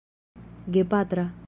gepatra